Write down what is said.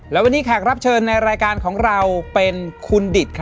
และวันนี้แขกรับเชิญในรายการของเราเป็นคุณดิตครับ